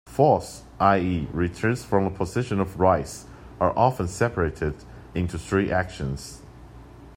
"Falls", i.e., returns from the position of rise, are often separated into three actions.